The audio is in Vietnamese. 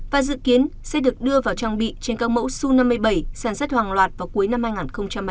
và dự kiến sẽ được đưa vào trang bị trên các mẫu su năm mươi bảy sản xuất hàng loạt vào cuối năm hai nghìn hai mươi